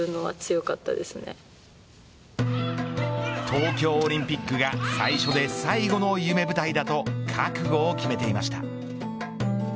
東京オリンピックが最初で最後の夢舞台だと覚悟を決めていました。